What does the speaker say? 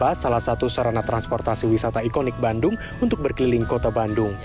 ini adalah salah satu sarana transportasi wisata ikonik bandung untuk berkeliling kota bandung